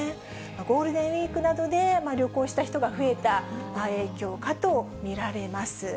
ゴールデンウィークなどで旅行した人が増えた影響かと見られます。